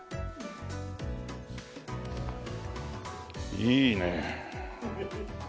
いいねえ。